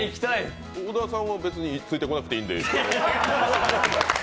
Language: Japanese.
小田さんは別についてこなくていいんじゃないですか？